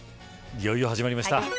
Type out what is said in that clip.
いよいよ始まりました。